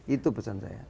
itu pesan saya